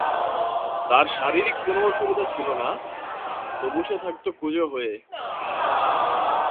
তার শারীরিক কোনো অসুবিধা ছিল না, তবু সে থাকত কুঁজো হয়ে।